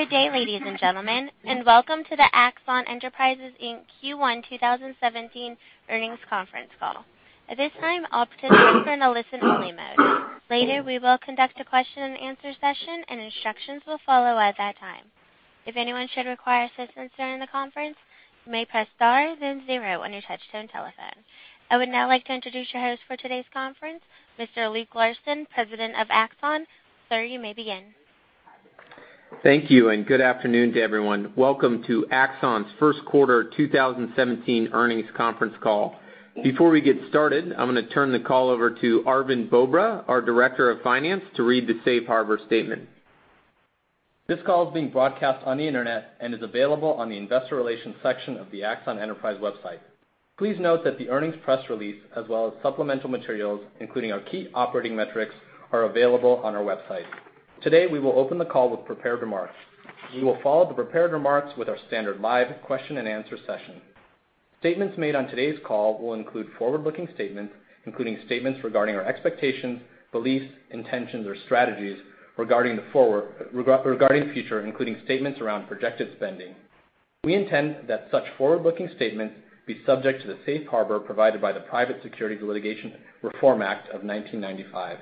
Good day, ladies and gentlemen, welcome to the Axon Enterprise, Inc. Q1 2017 earnings conference call. At this time, all participants are in a listen-only mode. Later, we will conduct a question and answer session and instructions will follow at that time. If anyone should require assistance during the conference, you may press star then zero on your touchtone telephone. I would now like to introduce your host for today's conference, Mr. Luke Larson, President of Axon. Sir, you may begin. Thank you, good afternoon to everyone. Welcome to Axon's first quarter 2017 earnings conference call. Before we get started, I'm going to turn the call over to Arvind Bobra, our Director of Finance, to read the safe harbor statement. This call is being broadcast on the internet and is available on the investor relations section of the Axon Enterprise website. Please note that the earnings press release, as well as supplemental materials, including our key operating metrics, are available on our website. Today, we will open the call with prepared remarks. We will follow the prepared remarks with our standard live question and answer session. Statements made on today's call will include forward-looking statements, including statements regarding our expectations, beliefs, intentions, or strategies regarding future, including statements around projected spending. We intend that such forward-looking statements be subject to the safe harbor provided by the Private Securities Litigation Reform Act of 1995.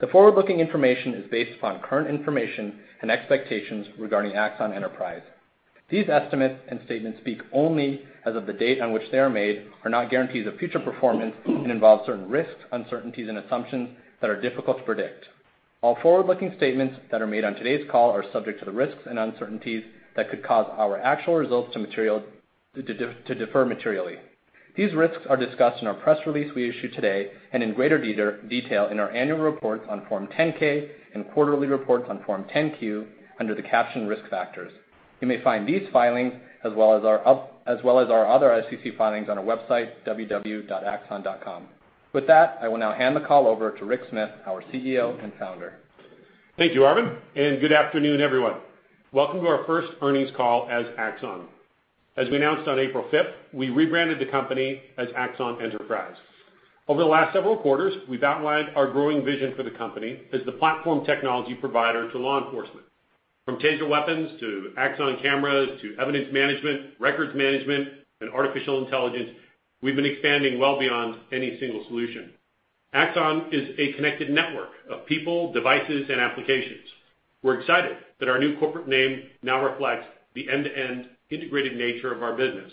The forward-looking information is based upon current information and expectations regarding Axon Enterprise. These estimates and statements speak only as of the date on which they are made, are not guarantees of future performance, and involve certain risks, uncertainties, and assumptions that are difficult to predict. All forward-looking statements that are made on today's call are subject to the risks and uncertainties that could cause our actual results to differ materially. These risks are discussed in our press release we issued today and in greater detail in our annual reports on Form 10-K and quarterly reports on Form 10-Q under the caption Risk Factors. You may find these filings as well as our other SEC filings on our website, www.axon.com. With that, I will now hand the call over to Rick Smith, our CEO and founder. Thank you, Arvind, and good afternoon, everyone. Welcome to our first earnings call as Axon. As we announced on April 5th, we rebranded the company as Axon Enterprise. Over the last several quarters, we've outlined our growing vision for the company as the platform technology provider to law enforcement. From TASER weapons to Axon cameras to evidence management, records management, and artificial intelligence, we've been expanding well beyond any single solution. Axon is a connected network of people, devices, and applications. We're excited that our new corporate name now reflects the end-to-end integrated nature of our business.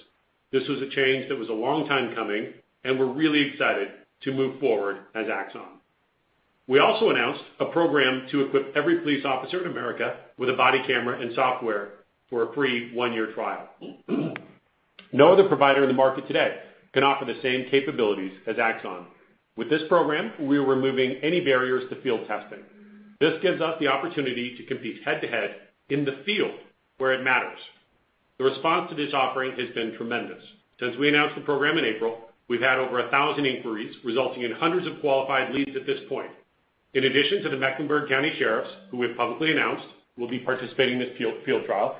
This was a change that was a long time coming, and we're really excited to move forward as Axon. We also announced a program to equip every police officer in America with a body camera and software for a free one-year trial. No other provider in the market today can offer the same capabilities as Axon. With this program, we are removing any barriers to field testing. This gives us the opportunity to compete head-to-head in the field where it matters. The response to this offering has been tremendous. Since we announced the program in April, we've had over 1,000 inquiries, resulting in hundreds of qualified leads at this point. In addition to the Mecklenburg County Sheriffs, who we've publicly announced will be participating in this field trial,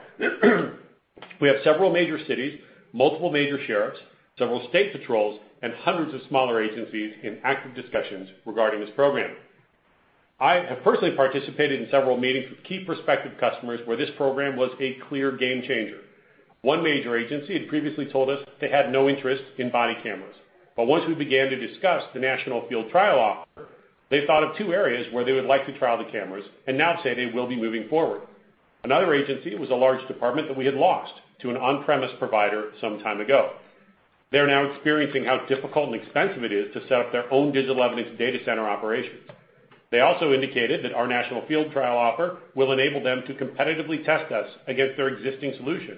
we have several major cities, multiple major sheriffs, several state patrols, and hundreds of smaller agencies in active discussions regarding this program. I have personally participated in several meetings with key prospective customers where this program was a clear game-changer. One major agency had previously told us they had no interest in body cameras. Once we began to discuss the national field trial offer, they thought of two areas where they would like to trial the cameras and now say they will be moving forward. Another agency was a large department that we had lost to an on-premise provider some time ago. They're now experiencing how difficult and expensive it is to set up their own digital evidence data center operations. They also indicated that our national field trial offer will enable them to competitively test us against their existing solution.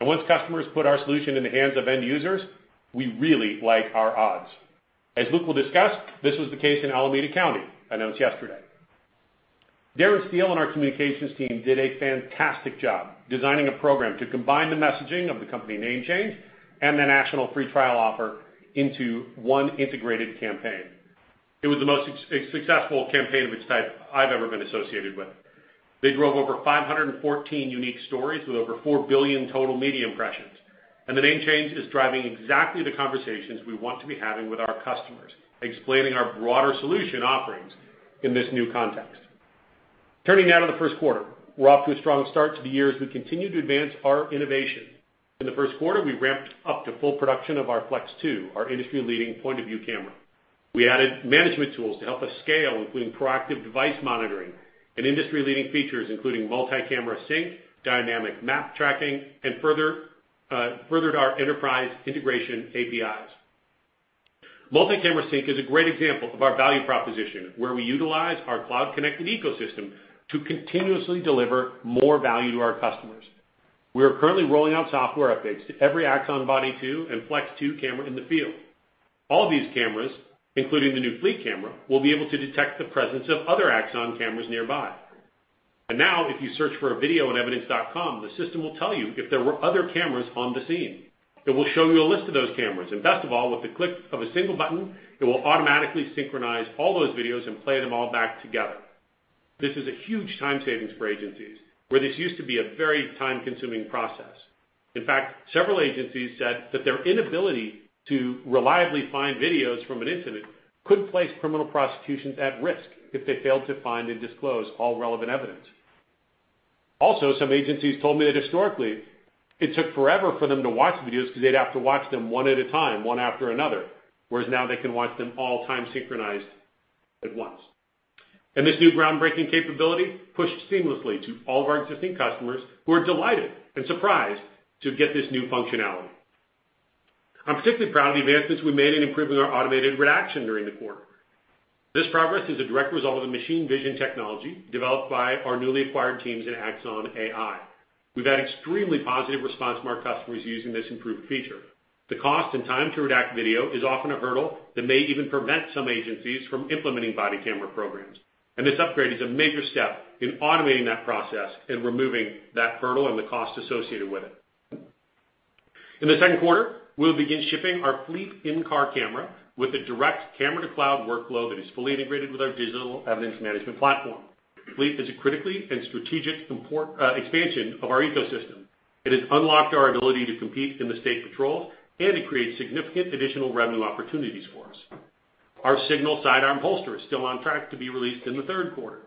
Once customers put our solution in the hands of end users, we really like our odds. As Luke will discuss, this was the case in Alameda County, announced yesterday. Darren Steele and our communications team did a fantastic job designing a program to combine the messaging of the company name change and the national free trial offer into one integrated campaign. It was the most successful campaign of its type I've ever been associated with. They drove over 514 unique stories with over four billion total media impressions. The name change is driving exactly the conversations we want to be having with our customers, explaining our broader solution offerings in this new context. Turning now to the first quarter. We're off to a strong start to the year as we continue to advance our innovation. In the first quarter, we ramped up to full production of our Flex 2, our industry-leading point-of-view camera. We added management tools to help us scale, including proactive device monitoring and industry-leading features, including multi-camera sync, dynamic map tracking, and furthered our enterprise integration APIs. Multi-camera sync is a great example of our value proposition, where we utilize our cloud-connected ecosystem to continuously deliver more value to our customers. We are currently rolling out software updates to every Axon Body 2 and Axon Flex 2 camera in the field. All these cameras, including the new Fleet camera, will be able to detect the presence of other Axon cameras nearby. Now, if you search for a video on evidence.com, the system will tell you if there were other cameras on the scene. It will show you a list of those cameras, and best of all, with the click of a single button, it will automatically synchronize all those videos and play them all back together. This is a huge time savings for agencies where this used to be a very time-consuming process. In fact, several agencies said that their inability to reliably find videos from an incident could place criminal prosecutions at risk if they failed to find and disclose all relevant evidence. Some agencies told me that historically, it took forever for them to watch videos because they'd have to watch them one at a time, one after another, whereas now they can watch them all time-synchronized at once. This new groundbreaking capability pushed seamlessly to all of our existing customers who are delighted and surprised to get this new functionality. I'm particularly proud of the advances we made in improving our automated redaction during the quarter. This progress is a direct result of the machine vision technology developed by our newly acquired teams in Axon AI. We've had extremely positive response from our customers using this improved feature. The cost and time to redact video is often a hurdle that may even prevent some agencies from implementing body camera programs. This upgrade is a major step in automating that process and removing that hurdle and the cost associated with it. In the second quarter, we will begin shipping our Fleet in-car camera with a direct camera-to-cloud workflow that is fully integrated with our digital evidence management platform. Fleet is a critically and strategic expansion of our ecosystem. It has unlocked our ability to compete in the state patrols and it creates significant additional revenue opportunities for us. Our Signal sidearm holster is still on track to be released in the third quarter.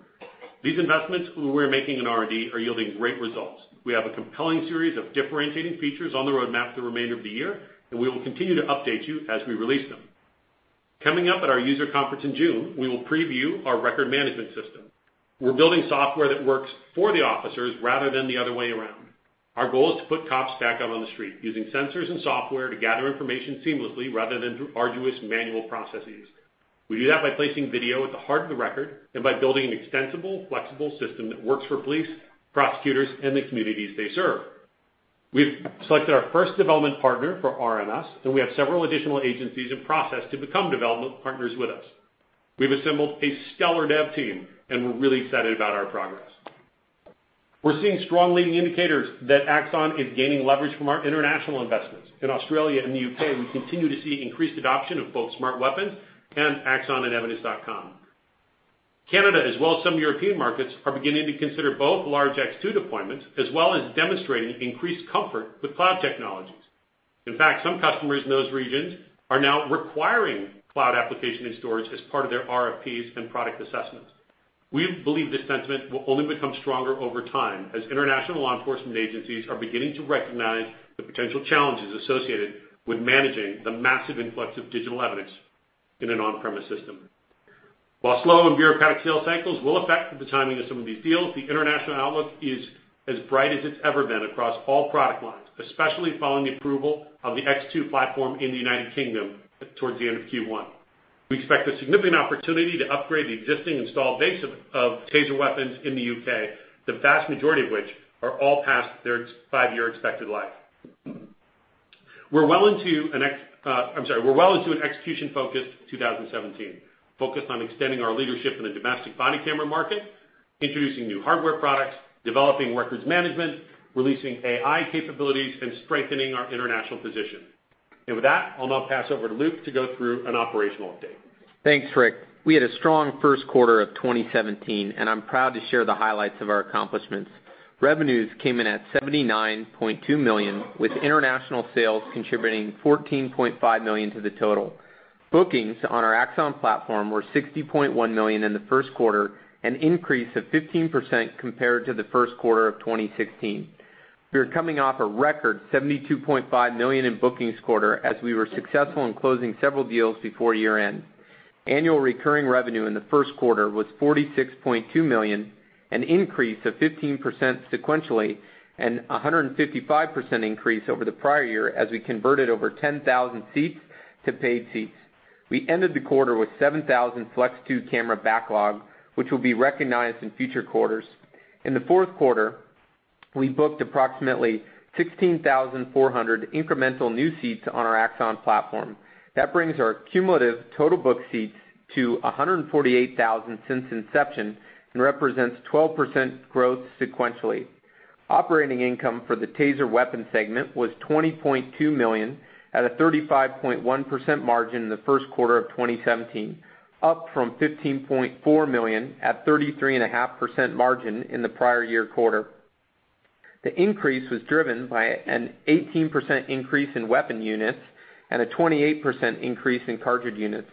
These investments we're making in R&D are yielding great results. We have a compelling series of differentiating features on the roadmap for the remainder of the year. We will continue to update you as we release them. Coming up at our user conference in June, we will preview our record management system. We're building software that works for the officers rather than the other way around. Our goal is to put cops back out on the street using sensors and software to gather information seamlessly rather than through arduous manual processes. We do that by placing video at the heart of the record and by building an extensible, flexible system that works for police, prosecutors, and the communities they serve. We've selected our first development partner for RMS. We have several additional agencies in process to become development partners with us. We've assembled a stellar dev team and we're really excited about our progress. We're seeing strong leading indicators that Axon is gaining leverage from our international investments. In Australia and the U.K., we continue to see increased adoption of both Smart Weapons and Axon and evidence.com. Canada as well as some European markets are beginning to consider both large X2 deployments as well as demonstrating increased comfort with cloud technologies. In fact, some customers in those regions are now requiring cloud application and storage as part of their RFPs and product assessments. We believe this sentiment will only become stronger over time as international law enforcement agencies are beginning to recognize the potential challenges associated with managing the massive influx of digital evidence in an on-premise system. Thanks, Rick. We had a strong first quarter of 2017, and I'm proud to share the highlights of our accomplishments. Revenues came in at $79.2 million, with international sales contributing $14.5 million to the total. Bookings on our Axon platform were $60.1 million in the first quarter, an increase of 15% compared to the first quarter of 2016. We are coming off a record $72.5 million in bookings quarter as we were successful in closing several deals before year-end. Annual recurring revenue in the first quarter was $46.2 million, an increase of 15% sequentially and 155% increase over the prior year as we converted over 10,000 seats to paid seats. We ended the quarter with 7,000 Flex 2 camera backlog, which will be recognized in future quarters. In the fourth quarter, we booked approximately 16,400 incremental new seats on our Axon platform. That brings our cumulative total booked seats to 148,000 since inception and represents 12% growth sequentially. Operating income for the TASER weapon segment was $20.2 million at a 35.1% margin in the first quarter of 2017, up from $15.4 million at 33.5% margin in the prior year quarter. The increase was driven by an 18% increase in weapon units and a 28% increase in cartridge units.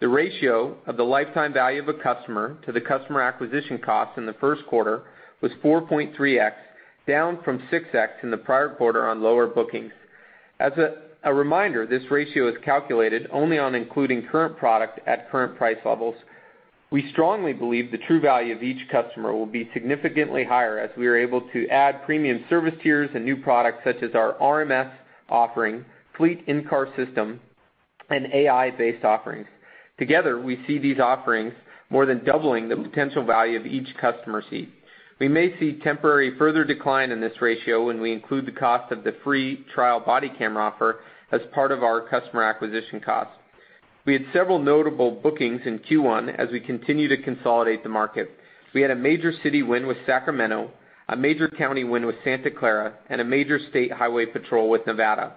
The ratio of the lifetime value of a customer to the customer acquisition cost in the first quarter was 4.3x, down from 6x in the prior quarter on lower bookings. As a reminder, this ratio is calculated only on including current product at current price levels. We strongly believe the true value of each customer will be significantly higher as we are able to add premium service tiers and new products such as our RMS offering, Fleet in-car system, and AI-based offerings. Together, we see these offerings more than doubling the potential value of each customer seat. We may see temporary further decline in this ratio when we include the cost of the free trial body camera offer as part of our customer acquisition costs. We had several notable bookings in Q1 as we continue to consolidate the market. We had a major city win with Sacramento. A major county win with Santa Clara and a major state highway patrol with Nevada.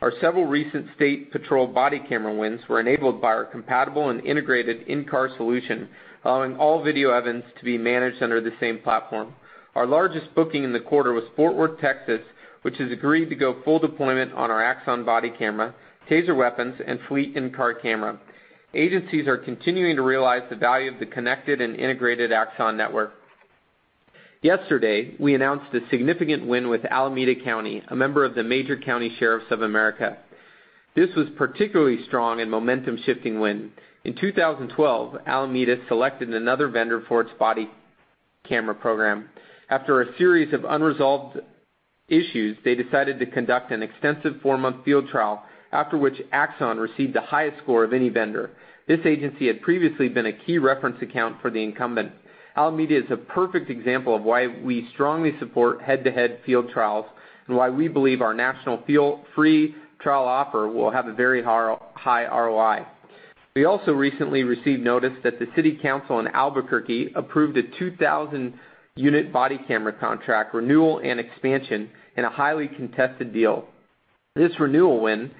Our several recent state patrol body camera wins were enabled by our compatible and integrated in-car solution, allowing all video evidence to be managed under the same platform. Our largest booking in the quarter was Fort Worth, Texas, which has agreed to go full deployment on our Axon Body Camera, TASER weapons, and fleet in-car camera. Agencies are continuing to realize the value of the connected and integrated Axon network. Yesterday, we announced a significant win with Alameda County, a member of the Major County Sheriffs of America. This was particularly strong in momentum shifting win. In 2012, Alameda selected another vendor for its body camera program. After a series of unresolved issues, they decided to conduct an extensive four-month field trial, after which Axon received the highest score of any vendor. This agency had previously been a key reference account for the incumbent. Alameda is a perfect example of why we strongly support head-to-head field trials and why we believe our national free trial offer will have a very high ROI. We also recently received notice that the city council in Albuquerque approved a 2,000-unit body camera contract renewal and expansion in a highly contested deal. This renewal win,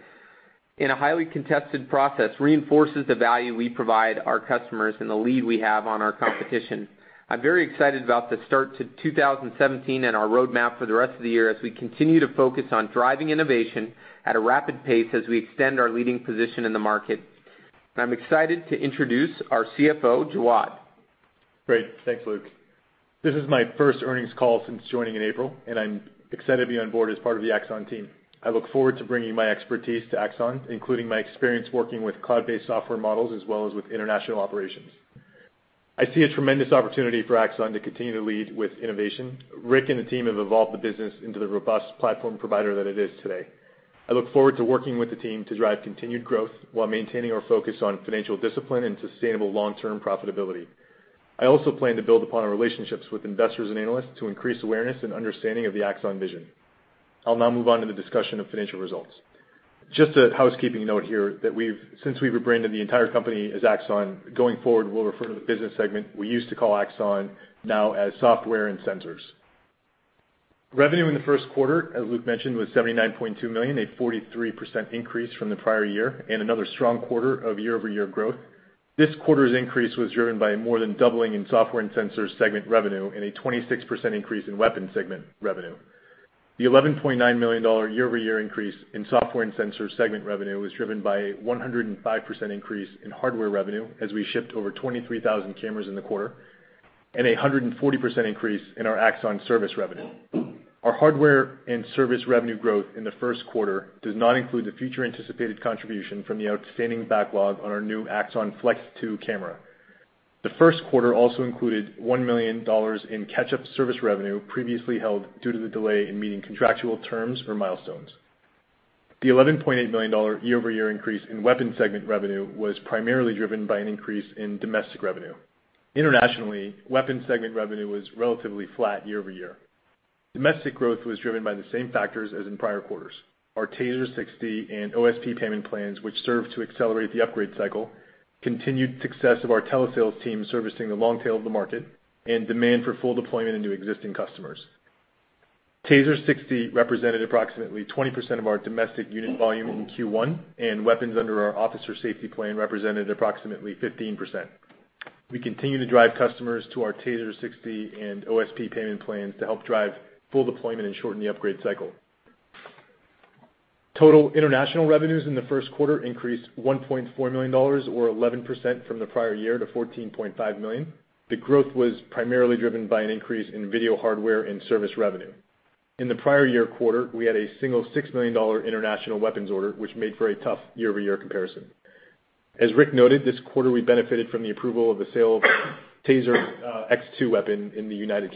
in a highly contested process, reinforces the value we provide our customers and the lead we have on our competition. I'm very excited about the start to 2017 and our roadmap for the rest of the year, as we continue to focus on driving innovation at a rapid pace as we extend our leading position in the market. I'm excited to introduce our CFO, Jawad. Great. Thanks, Luke. This is my first earnings call since joining in April, and I'm excited to be on board as part of the Axon team. I look forward to bringing my expertise to Axon, including my experience working with cloud-based software models, as well as with international operations. I see a tremendous opportunity for Axon to continue to lead with innovation. Rick and the team have evolved the business into the robust platform provider that it is today. I look forward to working with the team to drive continued growth while maintaining our focus on financial discipline and sustainable long-term profitability. I also plan to build upon our relationships with investors and analysts to increase awareness and understanding of the Axon vision. I'll now move on to the discussion of financial results. Just a housekeeping note here, that since we've rebranded the entire company as Axon, going forward, we'll refer to the business segment we used to call Axon now as Software and Sensors. Revenue in the first quarter, as Luke mentioned, was $79.2 million, a 43% increase from the prior year and another strong quarter of year-over-year growth. This quarter's increase was driven by more than doubling in Software and Sensors segment revenue and a 26% increase in Weapons segment revenue. The $11.9 million year-over-year increase in Software and Sensors segment revenue was driven by a 105% increase in hardware revenue, as we shipped over 23,000 cameras in the quarter, and 140% increase in our Axon service revenue. Our hardware and service revenue growth in the first quarter does not include the future anticipated contribution from the outstanding backlog on our new Axon Flex 2 camera. The first quarter also included $1 million in catch-up service revenue previously held due to the delay in meeting contractual terms or milestones. The $11.8 million year-over-year increase in Weapons segment revenue was primarily driven by an increase in domestic revenue. Internationally, Weapons segment revenue was relatively flat year-over-year. Domestic growth was driven by the same factors as in prior quarters. Our TASER 60 and OSP payment plans, which served to accelerate the upgrade cycle, continued success of our telesales team servicing the long tail of the market, and demand for full deployment into existing customers. TASER 60 represented approximately 20% of our domestic unit volume in Q1, and weapons under our Officer Safety Plan represented approximately 15%. We continue to drive customers to our TASER 60 and OSP payment plans to help drive full deployment and shorten the upgrade cycle. Total international revenues in the first quarter increased $1.4 million, or 11%, from the prior year to $14.5 million. The growth was primarily driven by an increase in video hardware and service revenue. In the prior year quarter, we had a single $6 million international weapons order, which made for a tough year-over-year comparison. As Rick noted, this quarter we benefited from the approval of the sale of TASER X2 weapon in the U.K.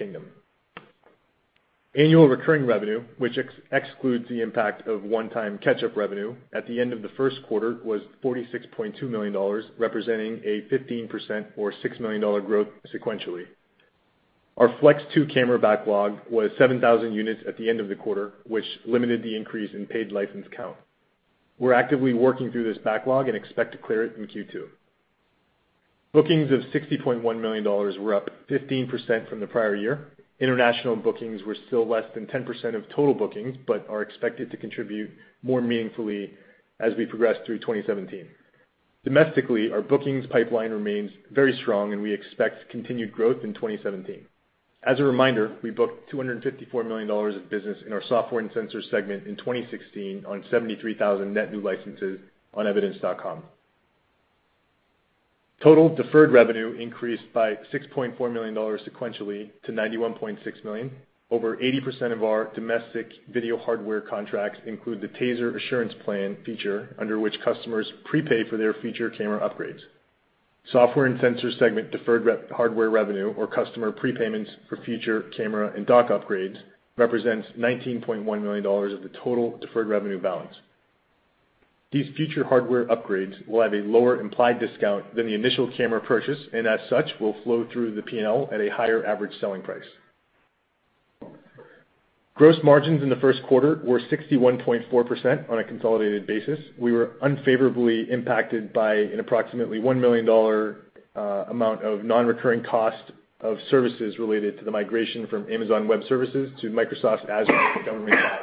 Annual recurring revenue, which excludes the impact of one-time catch-up revenue at the end of the first quarter, was $46.2 million, representing a 15%, or $6 million, growth sequentially. Our Flex 2 camera backlog was 7,000 units at the end of the quarter, which limited the increase in paid license count. We're actively working through this backlog and expect to clear it in Q2. Bookings of $60.1 million were up 15% from the prior year. International bookings were still less than 10% of total bookings but are expected to contribute more meaningfully as we progress through 2017. Domestically, our bookings pipeline remains very strong, and we expect continued growth in 2017. As a reminder, we booked $254 million of business in our Software and Sensors segment in 2016 on 73,000 net new licenses on evidence.com. Total deferred revenue increased by $6.4 million sequentially to $91.6 million. Over 80% of our domestic video hardware contracts include the TASER Assurance Plan feature, under which customers prepay for their future camera upgrades. Software and Sensors segment deferred hardware revenue or customer prepayments for future camera and dock upgrades represents $19.1 million of the total deferred revenue balance. These future hardware upgrades will have a lower implied discount than the initial camera purchase, and as such, will flow through the P&L at a higher average selling price. Gross margins in the first quarter were 61.4% on a consolidated basis. We were unfavorably impacted by an approximately $1 million amount of non-recurring cost of services related to the migration from Amazon Web Services to Microsoft's Azure government cloud.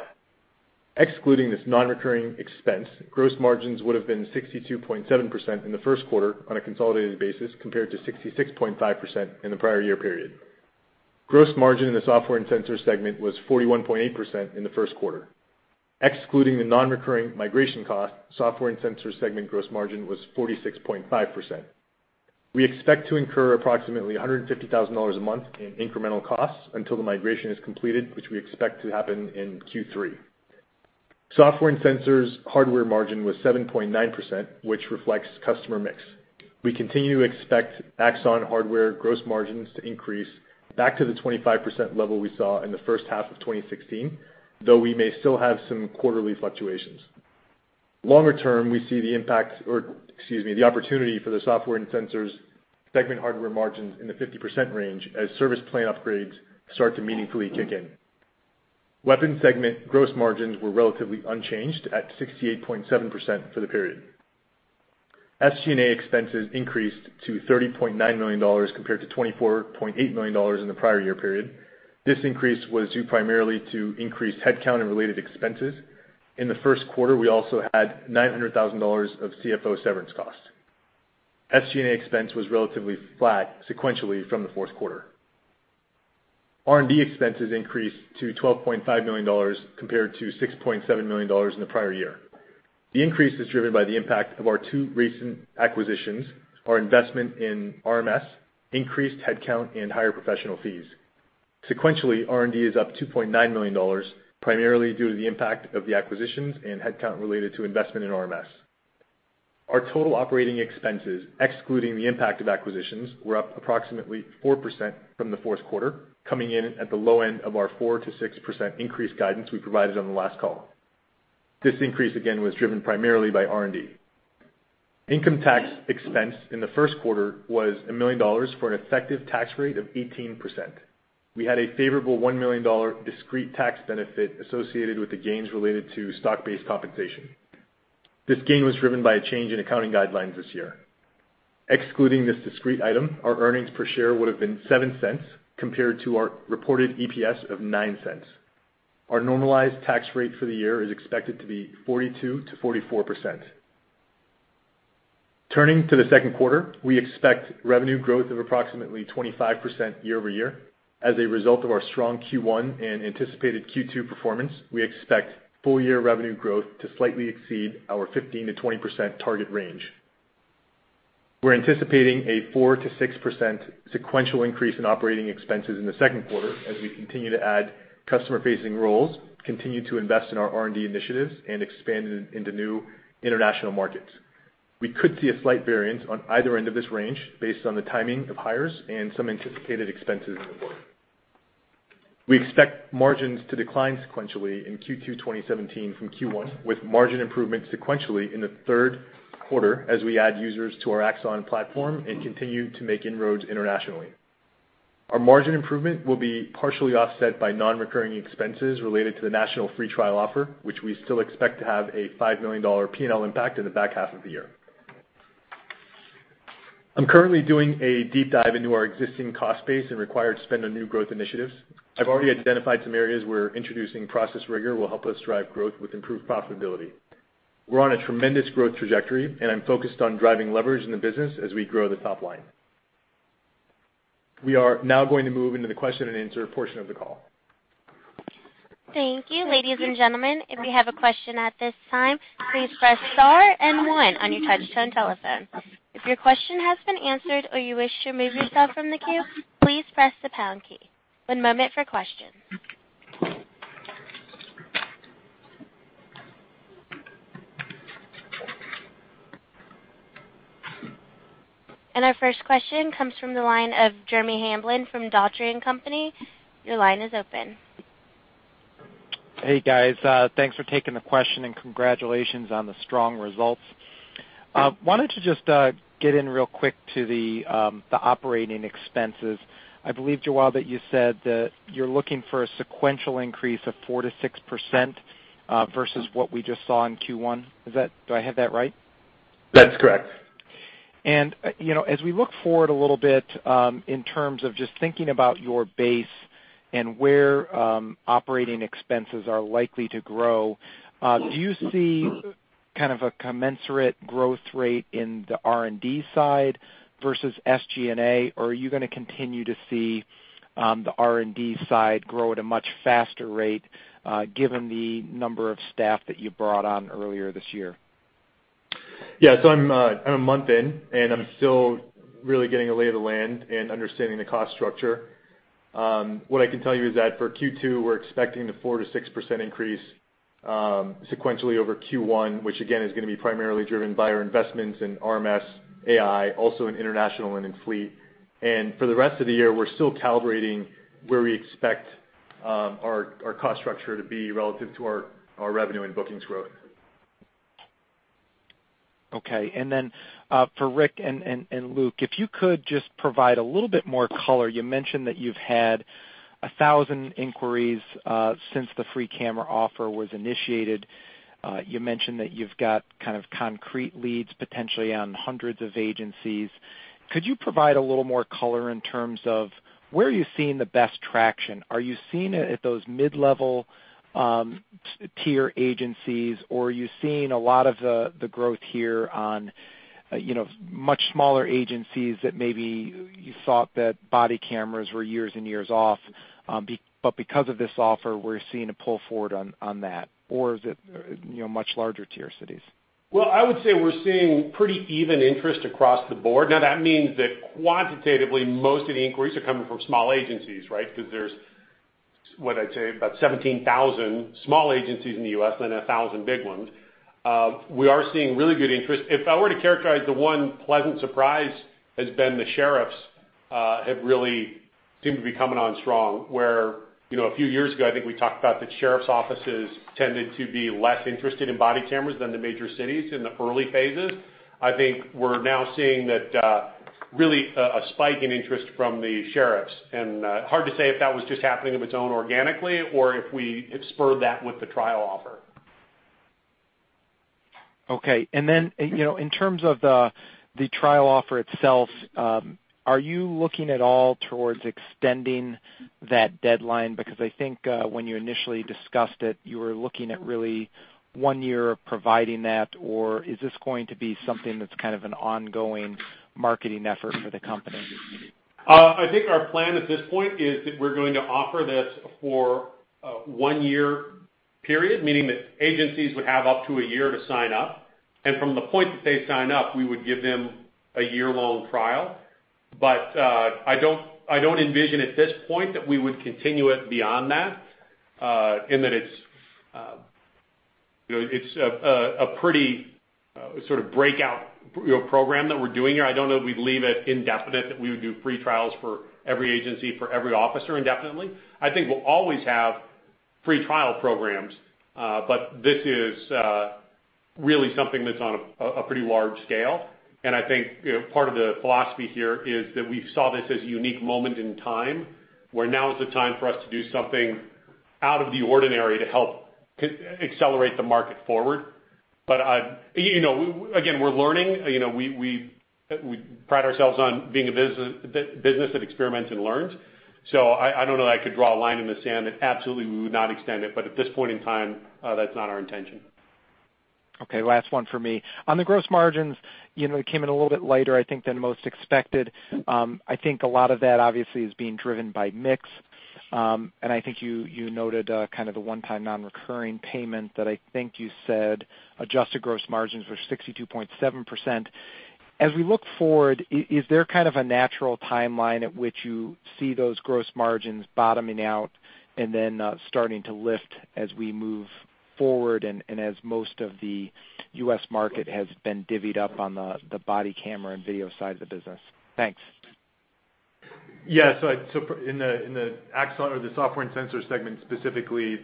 Excluding this non-recurring expense, gross margins would've been 62.7% in the first quarter on a consolidated basis, compared to 66.5% in the prior year period. Gross margin in the Software and Sensors segment was 41.8% in the first quarter. Excluding the non-recurring migration cost, Software and Sensors segment gross margin was 46.5%. We expect to incur approximately $150,000 a month in incremental costs until the migration is completed, which we expect to happen in Q3. Software and Sensors hardware margin was 7.9%, which reflects customer mix. We continue to expect Axon hardware gross margins to increase back to the 25% level we saw in the first half of 2016, though we may still have some quarterly fluctuations. Longer term, we see the opportunity for the Software and Sensors segment hardware margins in the 50% range as service plan upgrades start to meaningfully kick in. Weapons segment gross margins were relatively unchanged at 68.7% for the period. SG&A expenses increased to $30.9 million compared to $24.8 million in the prior year period. This increase was due primarily to increased headcount and related expenses. In the first quarter, we also had $900,000 of CFO severance costs. SG&A expense was relatively flat sequentially from the fourth quarter. R&D expenses increased to $12.5 million compared to $6.7 million in the prior year. The increase is driven by the impact of our two recent acquisitions, our investment in RMS, increased headcount, and higher professional fees. Sequentially, R&D is up $2.9 million, primarily due to the impact of the acquisitions and headcount related to investment in RMS. Our total operating expenses, excluding the impact of acquisitions, were up approximately 4% from the fourth quarter, coming in at the low end of our 4%-6% increase guidance we provided on the last call. This increase, again, was driven primarily by R&D. Income tax expense in the first quarter was $1 million for an effective tax rate of 18%. We had a favorable $1 million discrete tax benefit associated with the gains related to stock-based compensation. This gain was driven by a change in accounting guidelines this year. Excluding this discrete item, our earnings per share would've been $0.07 compared to our reported EPS of $0.09. Our normalized tax rate for the year is expected to be 42%-44%. Turning to the second quarter, we expect revenue growth of approximately 25% year-over-year. As a result of our strong Q1 and anticipated Q2 performance, we expect full year revenue growth to slightly exceed our 15%-20% target range. We're anticipating a 4%-6% sequential increase in operating expenses in the second quarter as we continue to add customer-facing roles, continue to invest in our R&D initiatives, and expand into new international markets. We could see a slight variance on either end of this range based on the timing of hires and some anticipated expenses in the quarter. We expect margins to decline sequentially in Q2 2017 from Q1, with margin improvements sequentially in the third quarter as we add users to our Axon platform and continue to make inroads internationally. Our margin improvement will be partially offset by non-recurring expenses related to the national free trial offer, which we still expect to have a $5 million P&L impact in the back half of the year. I'm currently doing a deep dive into our existing cost base and required spend on new growth initiatives. I've already identified some areas where introducing process rigor will help us drive growth with improved profitability. We're on a tremendous growth trajectory, and I'm focused on driving leverage in the business as we grow the top line. We are now going to move into the question and answer portion of the call. Thank you. Ladies and gentlemen, if you have a question at this time, please press star and one on your touchtone telephone. If your question has been answered or you wish to remove yourself from the queue, please press the pound key. One moment for questions. Our first question comes from the line of Jeremy Hamblin from Dougherty & Company. Your line is open. Hey, guys. Thanks for taking the question, congratulations on the strong results. Wanted to just get in real quick to the operating expenses. I believe, Jawad, that you said that you're looking for a sequential increase of 4% to 6% versus what we just saw in Q1. Do I have that right? That's correct. As we look forward a little bit in terms of just thinking about your base and where operating expenses are likely to grow, do you see a commensurate growth rate in the R&D side versus SG&A, or are you going to continue to see the R&D side grow at a much faster rate given the number of staff that you brought on earlier this year? Yeah. I'm a month in, and I'm still really getting a lay of the land and understanding the cost structure. What I can tell you is that for Q2, we're expecting the 4%-6% increase sequentially over Q1, which again, is going to be primarily driven by our investments in RMS, AI, also in international and in fleet. For the rest of the year, we're still calibrating where we expect our cost structure to be relative to our revenue and bookings growth. Okay. For Rick and Luke, if you could just provide a little bit more color. You mentioned that you've had 1,000 inquiries since the free camera offer was initiated. You mentioned that you've got concrete leads potentially on hundreds of agencies. Could you provide a little more color in terms of where are you seeing the best traction? Are you seeing it at those mid-level tier agencies, or are you seeing a lot of the growth here on much smaller agencies that maybe you thought that body cameras were years and years off, but because of this offer, we're seeing a pull forward on that, or is it much larger tier cities? Well, I would say we're seeing pretty even interest across the board. That means that quantitatively, most of the inquiries are coming from small agencies, right? Because there's, what I'd say, about 17,000 small agencies in the U.S. than 1,000 big ones. We are seeing really good interest. If I were to characterize the one pleasant surprise, has been the sheriffs have really seemed to be coming on strong, where a few years ago, I think we talked about that sheriff's offices tended to be less interested in body cameras than the major cities in the early phases. I think we're now seeing really a spike in interest from the sheriffs, and hard to say if that was just happening of its own organically or if we spurred that with the trial offer. Okay. In terms of the trial offer itself, are you looking at all towards extending that deadline? I think, when you initially discussed it, you were looking at really one year of providing that, or is this going to be something that's kind of an ongoing marketing effort for the company? I think our plan at this point is that we're going to offer this for one-year period, meaning that agencies would have up to a year to sign up. From the point that they sign up, we would give them a year-long trial. I don't envision at this point that we would continue it beyond that, in that it's a pretty sort of breakout program that we're doing here. I don't know that we'd leave it indefinite, that we would do free trials for every agency, for every officer indefinitely. I think we'll always have free trial programs. This is really something that's on a pretty large scale, and I think part of the philosophy here is that we saw this as a unique moment in time, where now is the time for us to do something out of the ordinary to help accelerate the market forward. Again, we're learning. We pride ourselves on being a business that experiments and learns. I don't know that I could draw a line in the sand that absolutely we would not extend it, at this point in time, that's not our intention. Okay, last one for me. On the gross margins, it came in a little bit lighter, I think, than most expected. I think a lot of that, obviously, is being driven by mix. I think you noted kind of the one-time non-recurring payment that I think you said adjusted gross margins were 62.7%. As we look forward, is there kind of a natural timeline at which you see those gross margins bottoming out and then starting to lift as we move forward and as most of the U.S. market has been divvied up on the body camera and video side of the business? Thanks. In the Axon, or the Software and Sensors segment, specifically,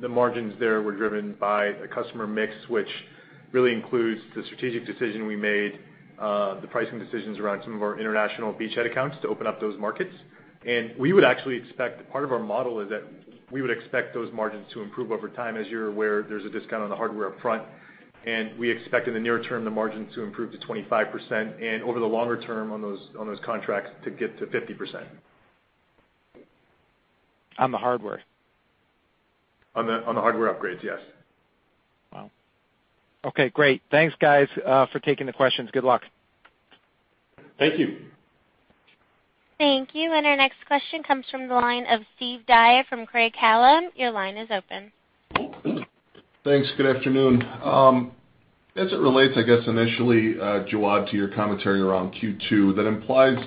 the margins there were driven by the customer mix, which really includes the strategic decision we made, the pricing decisions around some of our international beachhead accounts to open up those markets. Part of our model is that we would expect those margins to improve over time. As you're aware, there's a discount on the hardware up front, and we expect in the near term the margin to improve to 25%, and over the longer term on those contracts to get to 50%. On the hardware? On the hardware upgrades, yes. Great. Thanks, guys, for taking the questions. Good luck. Thank you. Thank you. Our next question comes from the line of Steven Dye from Craig-Hallum. Your line is open. Thanks. Good afternoon. As it relates, I guess initially, Jawad, to your commentary around Q2, that implies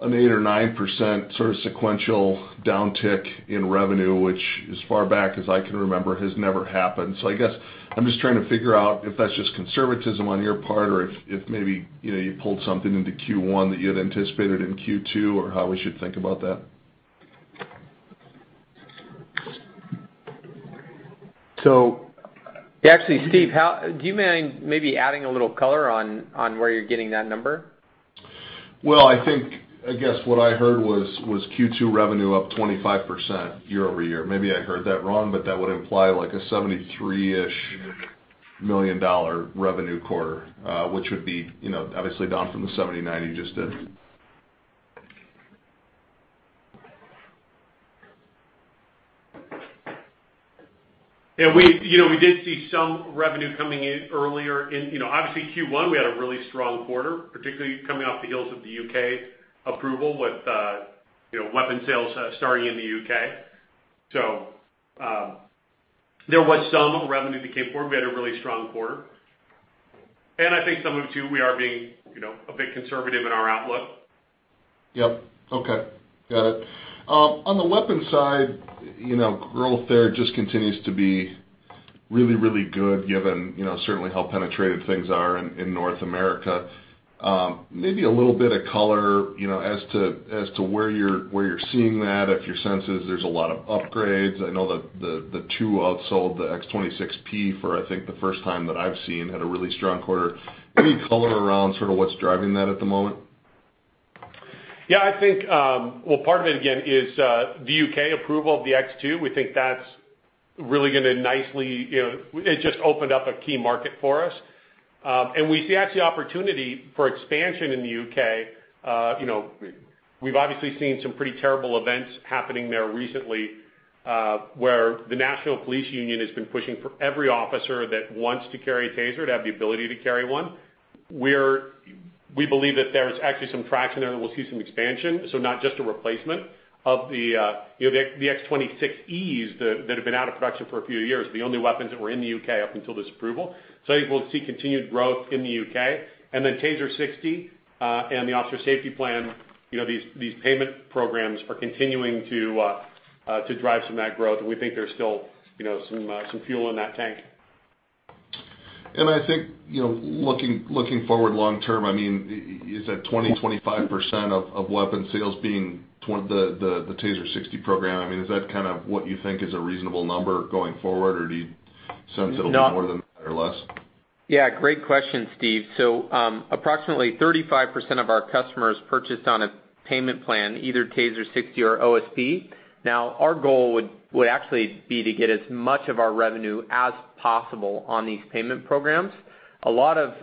an 8% or 9% sort of sequential downtick in revenue, which as far back as I can remember, has never happened. I guess I'm just trying to figure out if that's just conservatism on your part or if maybe you pulled something into Q1 that you had anticipated in Q2, or how we should think about that. So- Actually, Steve, do you mind maybe adding a little color on where you're getting that number? Well, I think, I guess what I heard was Q2 revenue up 25% year-over-year. Maybe I heard that wrong, but that would imply like a $73-ish million revenue quarter, which would be obviously down from the $79 million you just did. Yeah, we did see some revenue coming in. Obviously, Q1, we had a really strong quarter, particularly coming off the heels of the U.K. approval with weapon sales starting in the U.K. There was some revenue that came forward. We had a really strong quarter. I think some of it, too, we are being a bit conservative in our outlook. Yep. Okay. Got it. On the weapons side, growth there just continues to be really, really good given certainly how penetrated things are in North America. Maybe a little bit of color, as to where you're seeing that, if your sense is there's a lot of upgrades. I know that the X2 outsold the X26P for, I think, the first time that I've seen, had a really strong quarter. Any color around sort of what's driving that at the moment? Yeah, I think, well, part of it again is the U.K. approval of the X2. We think that's really going to nicely. It just opened up a key market for us. We see actually opportunity for expansion in the U.K. We've obviously seen some pretty terrible events happening there recently, where the National Association of Police Organizations has been pushing for every officer that wants to carry a TASER to have the ability to carry one. We believe that there's actually some traction there and we'll see some expansion, so not just a replacement of the X26s that have been out of production for a few years, the only weapons that were in the U.K. up until this approval. I think we'll see continued growth in the U.K. TASER 60, and the Officer Safety Plan, these payment programs are continuing to drive some of that growth, and we think there's still some fuel in that tank. I think, looking forward long term, is that 20%-25% of weapon sales being the TASER 60 program? Is that kind of what you think is a reasonable number going forward, or do you sense it'll be more than that or less? Yeah. Great question, Steve. Approximately 35% of our customers purchase on a payment plan, either TASER 60 or OSP. Our goal would actually be to get as much of our revenue as possible on these payment programs. A lot of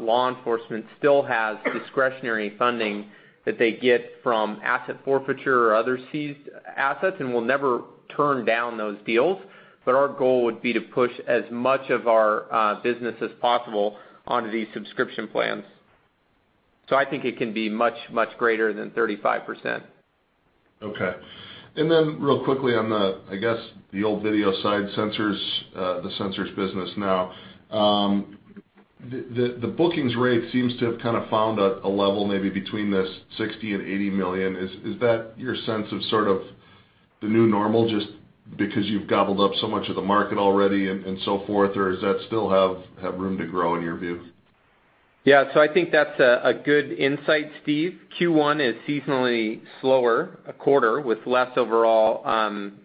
law enforcement still has discretionary funding that they get from asset forfeiture or other seized assets, and we'll never turn down those deals. Our goal would be to push as much of our business as possible onto these subscription plans. I think it can be much, much greater than 35%. Okay. Real quickly on the, I guess, the old video side sensors, the sensors business now. The bookings rate seems to have kind of found a level maybe between this $60 million-$80 million. Is that your sense of sort of the new normal, just because you've gobbled up so much of the market already and so forth, or does that still have room to grow in your view? I think that's a good insight, Steve. Q1 is seasonally slower a quarter with less overall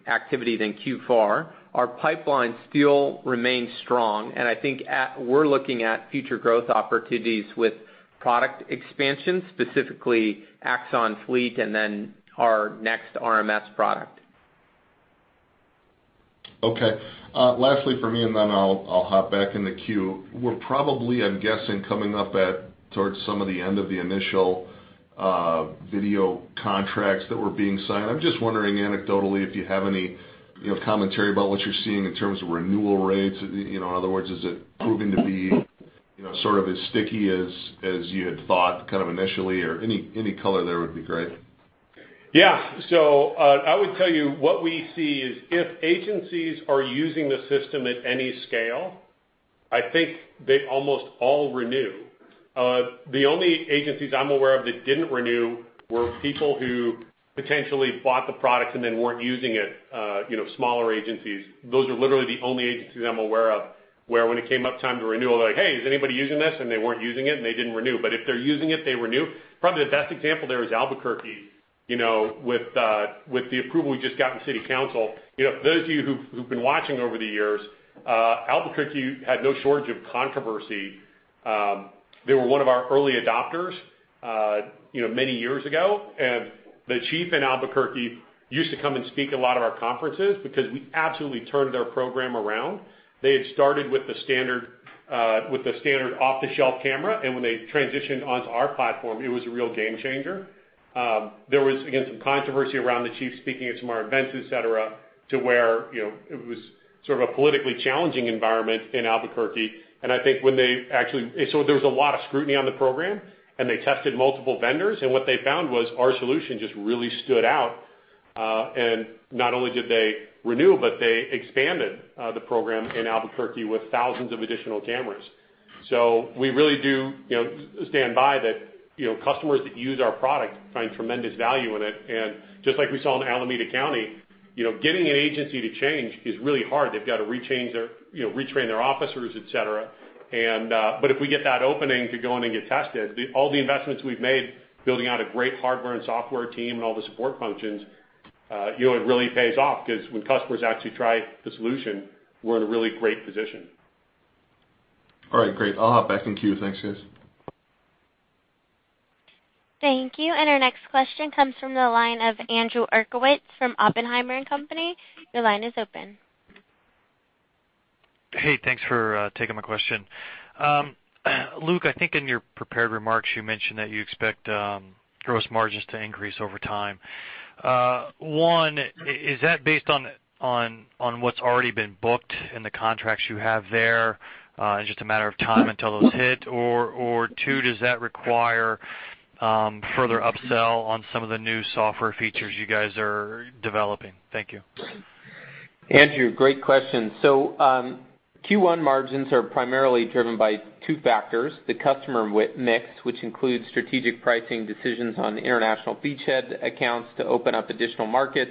activity than Q4. Our pipeline still remains strong, and I think we're looking at future growth opportunities with product expansion, specifically Axon Fleet and then our next RMS product. Lastly from me, then I'll hop back in the queue. We're probably, I'm guessing, coming up at towards some of the end of the initial video contracts that were being signed. I'm just wondering anecdotally if you have any commentary about what you're seeing in terms of renewal rates. In other words, is it proving to be sort of as sticky as you had thought kind of initially? Any color there would be great. I would tell you what we see is if agencies are using the system at any scale, I think they almost all renew. The only agencies I'm aware of that didn't renew were people who potentially bought the product then weren't using it, smaller agencies. Those are literally the only agencies I'm aware of, where when it came up time to renew, they're like, "Hey, is anybody using this?" They weren't using it and they didn't renew. If they're using it, they renew. Probably the best example there is Albuquerque. With the approval we just got in city council, those of you who've been watching over the years, Albuquerque had no shortage of controversy. They were one of our early adopters many years ago. The chief in Albuquerque used to come speak at a lot of our conferences because we absolutely turned their program around. They had started with the standard off-the-shelf camera, when they transitioned onto our platform, it was a real game changer. There was, again, some controversy around the chief speaking at some of our events, et cetera, to where it was sort of a politically challenging environment in Albuquerque. I think when they actually there was a lot of scrutiny on the program, they tested multiple vendors, what they found was our solution just really stood out. Not only did they renew, but they expanded the program in Albuquerque with thousands of additional cameras. We really do stand by that customers that use our product find tremendous value in it. Just like we saw in Alameda County, getting an agency to change is really hard. They've got to retrain their officers, et cetera. If we get that opening to go in and get tested, all the investments we've made building out a great hardware and software team and all the support functions, it really pays off, because when customers actually try the solution, we're in a really great position. All right. Great. I'll hop back in queue. Thanks, guys. Thank you. Our next question comes from the line of Andrew Uerkwitz from Oppenheimer & Co.. Your line is open. Hey, thanks for taking my question. Luke, I think in your prepared remarks, you mentioned that you expect gross margins to increase over time. One, is that based on what's already been booked and the contracts you have there, and just a matter of time until those hit? Or two, does that require further upsell on some of the new software features you guys are developing? Thank you. Andrew, great question. Q1 margins are primarily driven by two factors, the customer mix, which includes strategic pricing decisions on the international beachhead accounts to open up additional markets,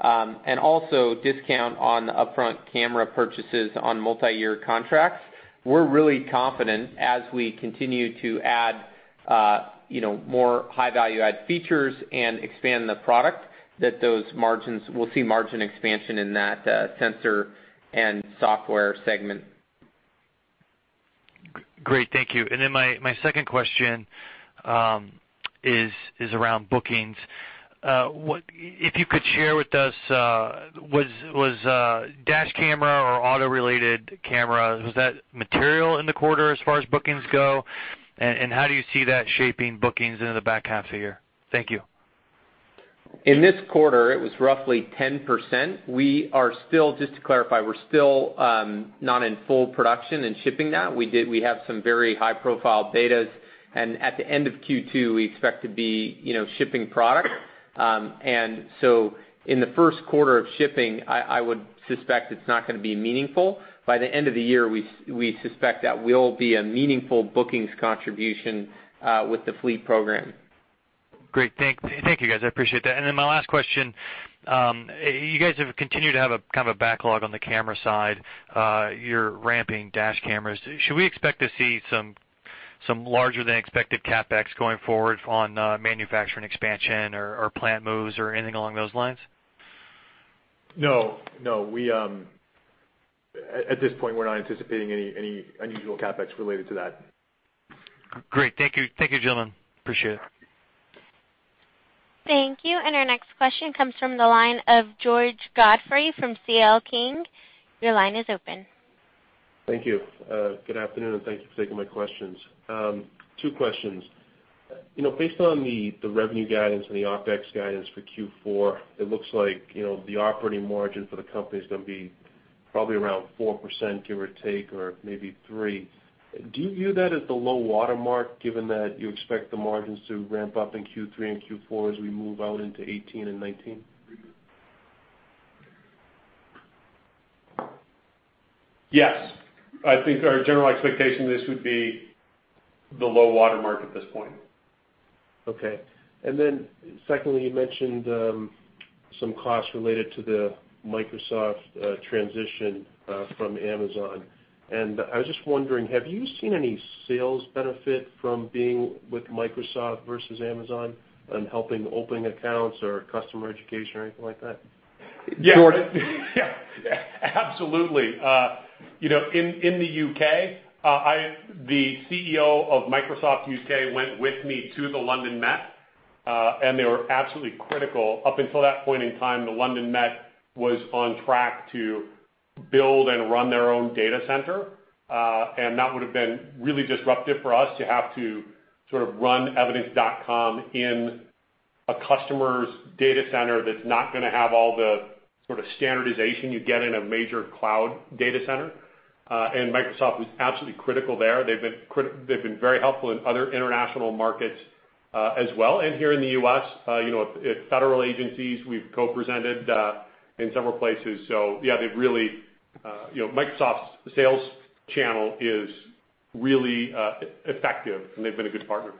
and also discount on upfront camera purchases on multi-year contracts. We're really confident as we continue to add more high value-add features and expand the product, that we'll see margin expansion in that sensor and software segment. Great. Thank you. My second question is around bookings. If you could share with us, was dash camera or auto-related camera, was that material in the quarter as far as bookings go? How do you see that shaping bookings into the back half of the year? Thank you. In this quarter, it was roughly 10%. Just to clarify, we're still not in full production and shipping that. We have some very high-profile betas, and at the end of Q2, we expect to be shipping product. In the first quarter of shipping, I would suspect it's not going to be meaningful. By the end of the year, we suspect that will be a meaningful bookings contribution with the Fleet program. Great. Thank you, guys. I appreciate that. My last question, you guys have continued to have a kind of a backlog on the camera side. You're ramping dash cameras. Should we expect to see some larger than expected CapEx going forward on manufacturing expansion or plant moves or anything along those lines? No. At this point, we're not anticipating any unusual CapEx related to that. Great. Thank you, gentlemen. Appreciate it. Thank you. Our next question comes from the line of George Godfrey from C.L. King. Your line is open. Thank you. Good afternoon, and thank you for taking my questions. Two questions. Based on the revenue guidance and the OpEx guidance for Q4, it looks like the operating margin for the company is going to be probably around 4%, give or take, or maybe 3%. Do you view that as the low water mark, given that you expect the margins to ramp up in Q3 and Q4 as we move out into 2018 and 2019? Yes. I think our general expectation is this would be the low water mark at this point. Secondly, I was just wondering, have you seen any sales benefit from being with Microsoft versus Amazon on helping opening accounts or customer education or anything like that? Absolutely. In the U.K., the CEO of Microsoft U.K. went with me to the London Met, and they were absolutely critical. Up until that point in time, the London Met was on track to build and run their own data center. That would have been really disruptive for us to have to sort of run Evidence.com in a customer's data center that's not going to have all the sort of standardization you get in a major cloud data center. Microsoft was absolutely critical there. They've been very helpful in other international markets as well, and here in the U.S. At federal agencies, we've co-presented in several places. Yeah, Microsoft's sales channel is really effective, and they've been a good partner.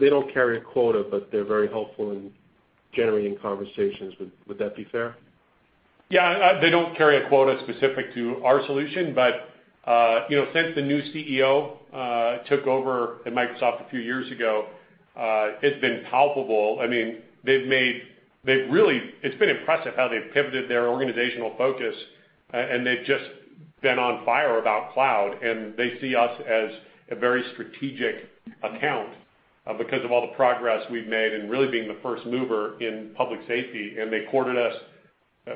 They don't carry a quota, they're very helpful in generating conversations. Would that be fair? Yeah. They don't carry a quota specific to our solution, but since the new CEO took over at Microsoft a few years ago, it's been palpable. It's been impressive how they've pivoted their organizational focus, they've just been on fire about cloud, they see us as a very strategic account because of all the progress we've made and really being the first mover in public safety. They courted us,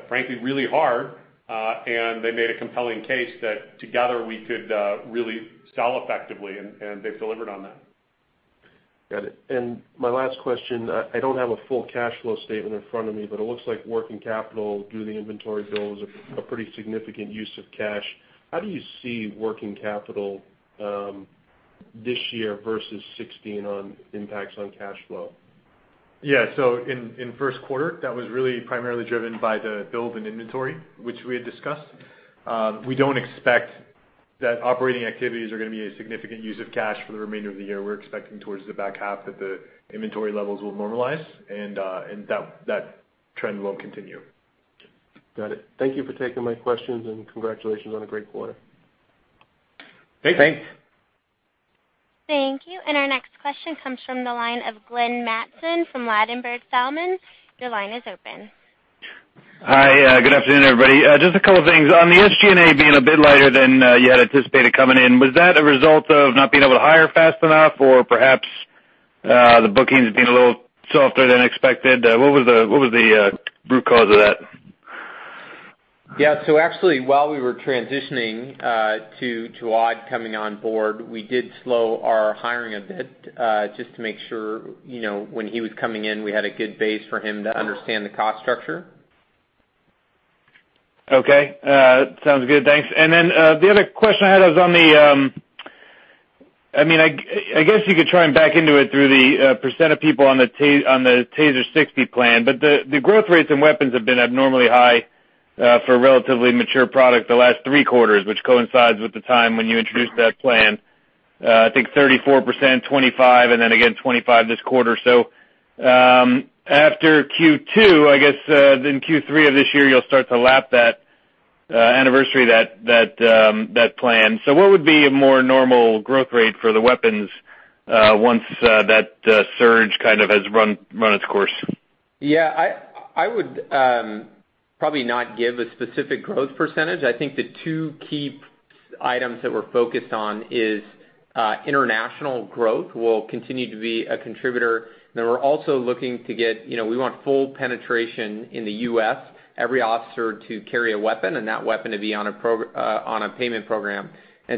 frankly, really hard, they made a compelling case that together we could really sell effectively, they've delivered on that. Got it. My last question, I don't have a full cash flow statement in front of me, but it looks like working capital due to the inventory build was a pretty significant use of cash. How do you see working capital this year versus 2016 on impacts on cash flow? Yeah. In first quarter, that was really primarily driven by the build in inventory, which we had discussed. We don't expect that operating activities are going to be a significant use of cash for the remainder of the year. We're expecting towards the back half that the inventory levels will normalize, that trend will continue. Got it. Thank you for taking my questions, congratulations on a great quarter. Hey, thanks. Thank you. Our next question comes from the line of Glenn Mattson from Ladenburg Thalmann. Your line is open. Hi. Good afternoon, everybody. Just a couple of things. On the SG&A being a bit lighter than you had anticipated coming in, was that a result of not being able to hire fast enough or perhaps the bookings being a little softer than expected? What was the root cause of that? Yeah. Actually, while we were transitioning to Jawad coming on board, we did slow our hiring a bit, just to make sure when he was coming in, we had a good base for him to understand the cost structure. Okay. Sounds good. Thanks. The other question I had was on the-- I guess you could try and back into it through the % of people on the TASER 60 plan. The growth rates in weapons have been abnormally high for a relatively mature product the last three quarters, which coincides with the time when you introduced that plan. I think 34%, 25%, and again, 25% this quarter. After Q2, I guess then Q3 of this year you'll start to lap that anniversary, that plan. What would be a more normal growth rate for the weapons once that surge kind of has run its course? Yeah. I would probably not give a specific growth %. I think the two key items that we're focused on is international growth will continue to be a contributor. We want full penetration in the U.S., every officer to carry a weapon and that weapon to be on a payment program.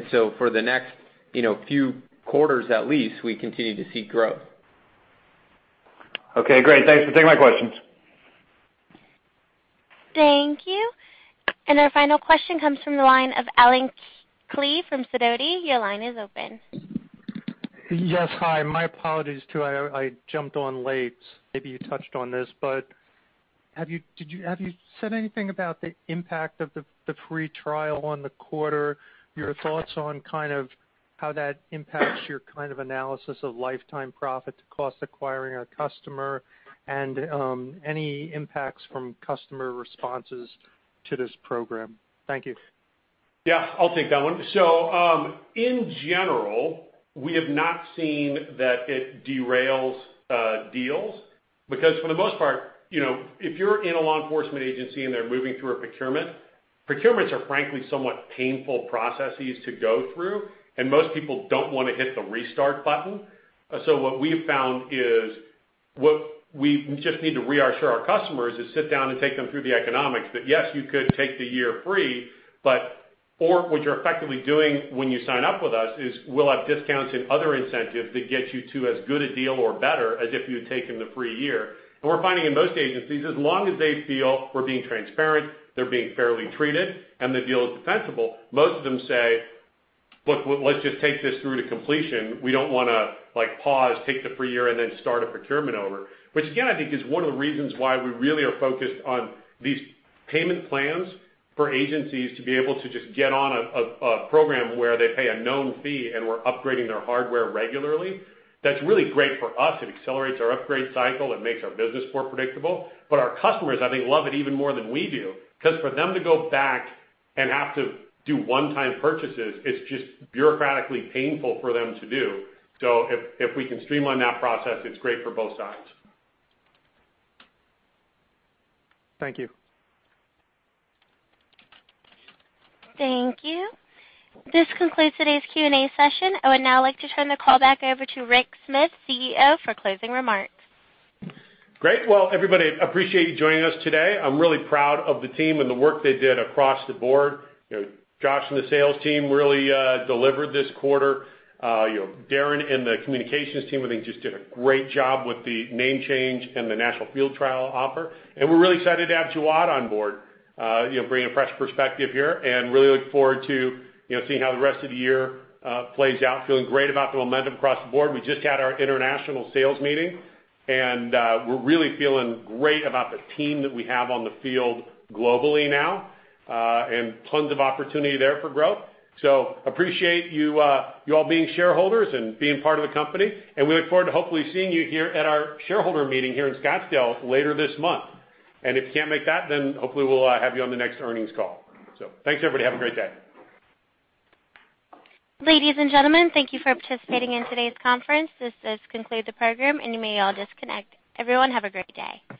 For the next few quarters at least, we continue to see growth. Okay, great. Thanks for taking my questions. Thank you. Our final question comes from the line of Allen Klee from Sidoti. Your line is open. Yes. Hi. My apologies, too. I jumped on late. Have you said anything about the impact of the free trial on the quarter? Your thoughts on kind of how that impacts your kind of analysis of lifetime profit to cost acquiring a customer, and any impacts from customer responses to this program. Thank you. Yeah, I'll take that one. In general, we have not seen that it derails deals because for the most part, if you're in a law enforcement agency and they're moving through a procurement, procurements are frankly somewhat painful processes to go through, and most people don't want to hit the restart button. What we've found is what we just need to reassure our customers is sit down and take them through the economics that, yes, you could take the year free, or what you're effectively doing when you sign up with us is we'll have discounts and other incentives that get you to as good a deal or better as if you had taken the free year. We're finding in most agencies, as long as they feel we're being transparent, they're being fairly treated, and the deal is defensible, most of them say, "Look, let's just take this through to completion. We don't want to pause, take the free year, and then start a procurement over." Which again, I think is one of the reasons why we really are focused on these payment plans for agencies to be able to just get on a program where they pay a known fee, and we're upgrading their hardware regularly. That's really great for us. It accelerates our upgrade cycle. It makes our business more predictable. Our customers, I think, love it even more than we do, because for them to go back and have to do one-time purchases, it's just bureaucratically painful for them to do. If we can streamline that process, it's great for both sides. Thank you. Thank you. This concludes today's Q&A session. I would now like to turn the call back over to Rick Smith, CEO, for closing remarks. Great. Everybody, appreciate you joining us today. I'm really proud of the team and the work they did across the board. Josh and the sales team really delivered this quarter. Darren and the communications team, I think, just did a great job with the name change and the national field trial offer. We're really excited to have Jawad on board, bringing a fresh perspective here, and really look forward to seeing how the rest of the year plays out. Feeling great about the momentum across the board. We just had our international sales meeting, and we're really feeling great about the team that we have on the field globally now, and tons of opportunity there for growth. Appreciate you all being shareholders and being part of the company, and we look forward to hopefully seeing you here at our shareholder meeting here in Scottsdale later this month. If you can't make that, hopefully we'll have you on the next earnings call. Thanks, everybody. Have a great day. Ladies and gentlemen, thank you for participating in today's conference. This does conclude the program and you may all disconnect. Everyone, have a great day.